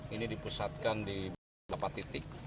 ini dipusatkan di beberapa titik